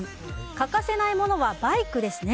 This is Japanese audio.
欠かせないものは、バイクですね。